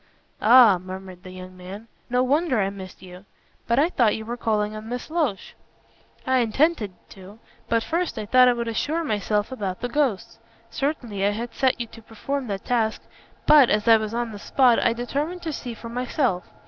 "Ah!" murmured the young man. "No wonder I missed you. But I thought you were calling on Miss Loach." "I intended to, but first I thought I would assure myself about the ghosts. Certainly I had set you to perform that task, but, as I was on the spot, I determined to see for myself.